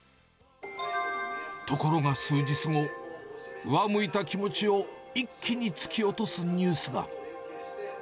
ところが数日後、上向いた気持ちを一気に突き落とすニュースが。